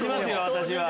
私は。